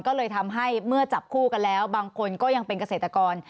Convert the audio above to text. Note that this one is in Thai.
ก็เลยทำให้เมื่อจับคู่กันแล้วบางคนก็ยังเป็นเกษตรกร